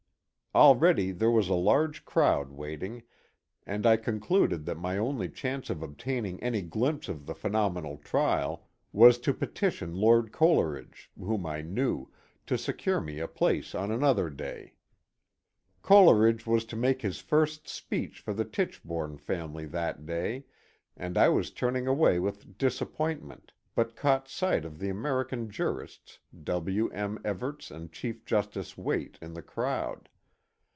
Already there was a large crowd waiting, and I concluded that my only chance of obtaining any glimpse of the phenomenal trial was to petition Lord Coleridge, whom I knew, to secure me a place on another day. Coleridge was to make his first speech for the Tichbome family that day, and I was turning away with disappointment, but caught sight of the American jurists W. M. Evarts and Chief Justice Waite in the crowd.